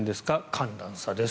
寒暖差です。